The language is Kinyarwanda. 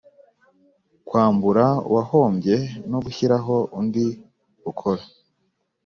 kwambura uwahombye no gushyiraho undi ukora